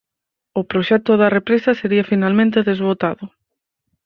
O proxecto da represa sería finalmente desbotado.